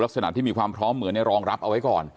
ลักษณะที่มีความพร้อมเหมือนในรองรับเอาไว้ก่อน